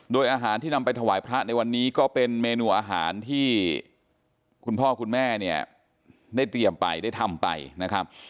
โดยอาหารที่นำไปถวายพระในวันนี้ก็เป็นเมนูอาหารที่คุณพ่อคุณแม่เนี่ยได้เตรียมไปได้ทำไปนะครับ